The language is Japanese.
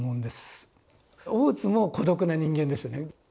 大津も孤独な人間ですよね。